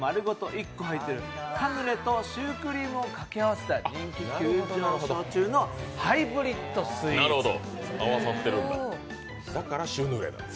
１個入ってるカヌレとシュークリームをかけ合わせた人気急上昇中のハイブリッドスイーツです。